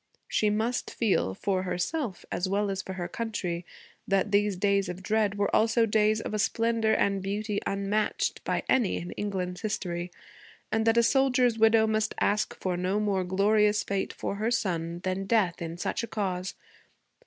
She must feel, for herself as well as for her country, that these days of dread were also days of a splendor and beauty unmatched by any in England's history, and that a soldier's widow must ask for no more glorious fate for her son than death in such a cause.